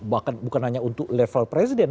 bahkan bukan hanya untuk level presiden